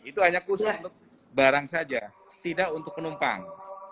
itu hanya khusus untuk barang saja tidak untuk penumpang